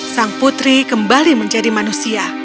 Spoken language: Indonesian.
sang putri kembali menjadi manusia